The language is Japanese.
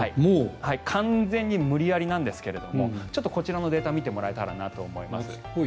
完全に無理やりなんですがちょっとこちらのデータを見てもらえたらなと思います。